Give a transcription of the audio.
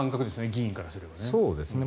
議員からするとね。